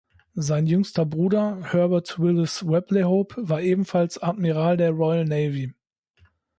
Sein jüngster Bruder Herbert Willes Webley Hope war ebenfalls Admiral der Royal Navy.